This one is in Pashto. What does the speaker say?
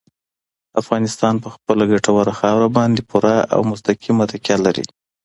افغانستان په خپله ګټوره خاوره باندې پوره او مستقیمه تکیه لري.